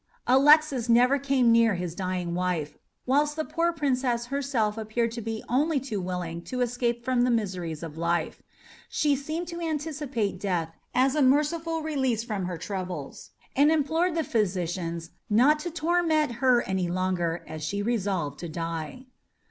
Alexis never came near his dying wife, whilst the poor Princess herself appeared to be only too willing to escape from the miseries of life. She seemed to anticipate death as a merciful release from her troubles, and implored the physicians not to torment her any longer, as she was resolved to die.